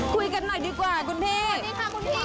คุยกันหน่อยดีกว่ากุญพี่